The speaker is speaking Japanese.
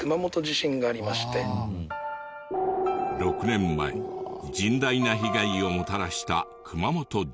６年前甚大な被害をもたらした熊本地震。